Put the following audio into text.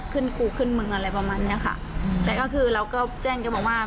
ขึ้นครูขึ้นมึงอะไรประมาณนี้ค่ะแต่เราก็แจ้งกันบอกว่า